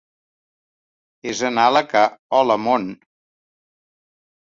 És anàleg a "Hola, món!".